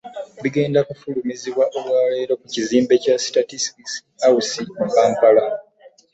Bigenda kufulumizibwa olwa leero kizimbe kya Statistics House mu Kampala.